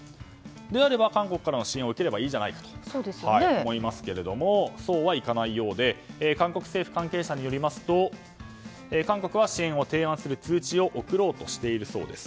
であれば、韓国からの支援を受ければいいじゃないかと思いますけれどもそうはいかないようで韓国政府関係者によりますと韓国は支援を提案する通知を送ろうとしているそうです。